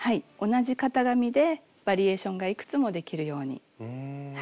同じ型紙でバリエーションがいくつもできるように考えました。